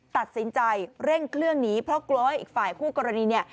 ตัดสินใจเร่งเครื่องหนีเพราะกลัวว่าอีกฝ่ายคู่กรณีเนี่ย